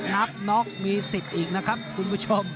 นับน็อกมีสิทธิ์อีกนะครับคุณผู้ชม